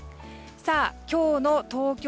さあ、今日の東京